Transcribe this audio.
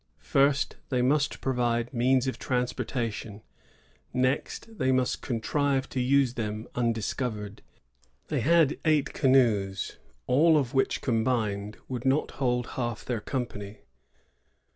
First, they must provide means of transportation ; next, they must contrive to use them undiscovered. They had eight canoes, all of which combined would not hold half their company.